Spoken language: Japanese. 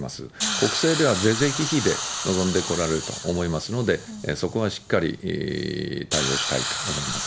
国政では是々非々で臨んでこられると思いますので、そこはしっかり対応したいと思います。